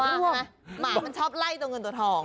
รู้ไหมหมามันชอบไล่ตัวเงินตัวทอง